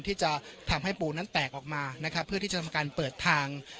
ที่จะทำให้ปูนั้นแตกออกมานะครับเพื่อที่จะทำการเปิดทาง